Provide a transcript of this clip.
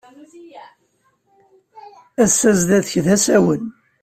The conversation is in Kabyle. Ass-a zdat-k d asawen.